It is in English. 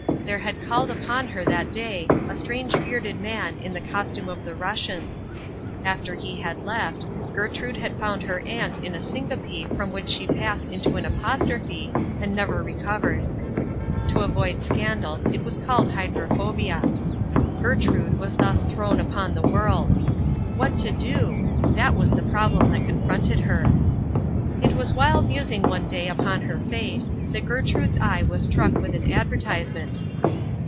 There had called upon her that day a strange bearded man in the costume of the Russians. After he had left, Gertrude had found her aunt in a syncope from which she passed into an apostrophe and never recovered. To avoid scandal it was called hydrophobia. Gertrude was thus thrown upon the world. What to do? That was the problem that confronted her. It was while musing one day upon her fate that Gertrude's eye was struck with an advertisement.